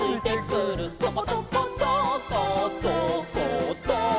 「とことことっことっこと」